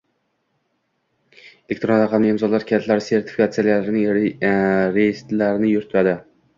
elektron raqamli imzolar kalitlari sertifikatlarining reyestrini yuritadi